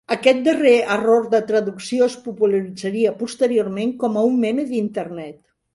Aquest darrer error de traducció es popularitzaria posteriorment com a un "meme" d'Internet.